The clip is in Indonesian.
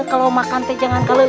kalau makan jangan kalah